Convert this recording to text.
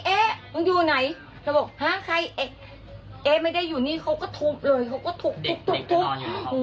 แล้วบอกฮะไอ้ไม่ได้อยู่นี่เขาก็ทุบเลยเขาก็ทุบทุบทุบ